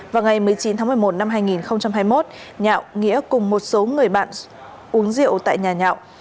vào ngày một mươi chín tháng một mươi một năm hai nghìn hai mươi một nhạo nghĩa cùng một số người bạn uống rượu tại nhà nhạo